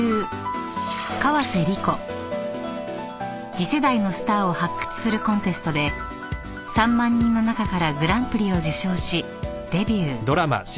［次世代のスターを発掘するコンテストで３万人の中からグランプリを受賞しデビュー］